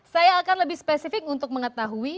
saya akan lebih spesifik untuk mengetahui